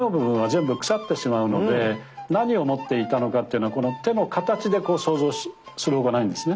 木の部分は全部腐ってしまうので何を持っていたのかっていうのはこの手の形で想像する他ないんですね。